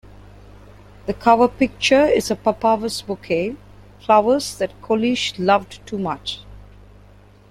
The cover picture is a papavers bouquet, flowers that Coluche loved too much.